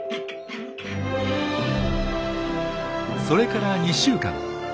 それから２週間。